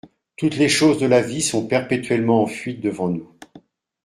Toutes les choses de la vie sont perpétuellement en fuite devant nous.